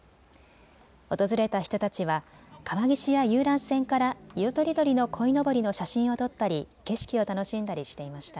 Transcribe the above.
訪れた人たちは川岸や遊覧船から色とりどりのこいのぼりの写真を撮ったり景色を楽しんだりしていました。